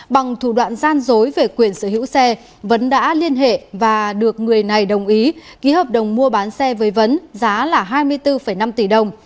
bằng thủ đoạn gian dối về quyền sở hữu xe vấn đã liên hệ và được người này đồng ý ký hợp đồng mua bán xe với vấn giá là hai mươi bốn năm tỷ đồng